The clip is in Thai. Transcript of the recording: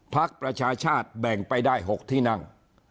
พักประชาชาติแบ่งไปได้๖ที่นั่ง